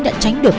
đã tránh được